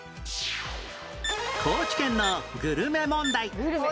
高知県のグルメ問題